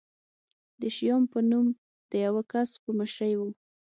د شیام په نوم د یوه کس په مشرۍ و.